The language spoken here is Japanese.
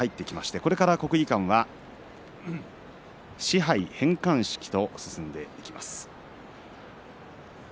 これからは国技館は賜盃返還式と進んでいきます。